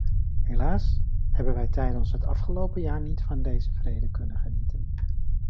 Helaas hebben wij tijdens het afgelopen jaar niet van deze vrede kunnen genieten.